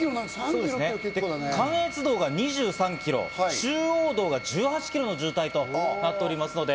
関越道が２３キロ、中央道が１８キロの渋滞となっておりますので。